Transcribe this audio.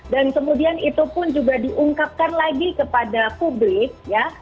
dan kemudian itu pun juga diungkapkan lagi kepada publik ya